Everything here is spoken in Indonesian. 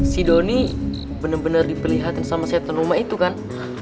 si doni benar benar diperlihatin sama setan rumah itu kan